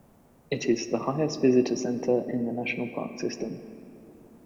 It is the highest visitor center in the National Park System.